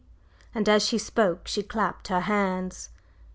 and as she spoke she clapped her hands.